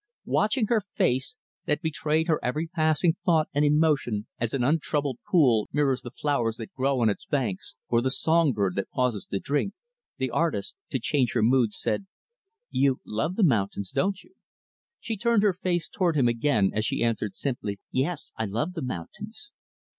Watching her face, that betrayed her every passing thought and emotion as an untroubled pool mirrors the flowers that grow on its banks or the song bird that pauses to drink, the artist to change her mood said, "You love the mountains, don't you?" She turned her face toward him, again, as she answered simply, "Yes, I love the mountains."